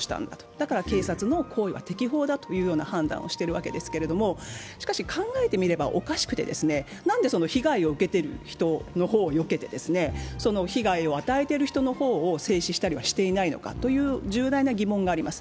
だから警察の行為は適法だというような判断をしているわけですけどしかし、考えてみればおかしくて、何で被害を受けている人の方をよけて、被害を与えている人の方を制止したりしていないのかという重大な疑問があります。